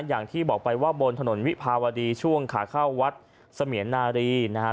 อย่างที่บอกไปว่าบนถนนวิภาวดีช่วงขาเข้าวัดเสมียนนารีนะครับ